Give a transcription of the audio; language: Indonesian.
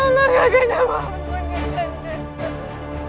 kak kandia bangun kak kandia